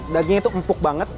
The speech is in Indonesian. daging itu empuk banget